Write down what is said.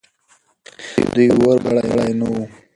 دوی اور بل کړی نه و.